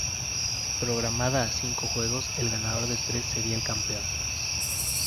Programada a cinco juegos el ganador de tres sería el campeón.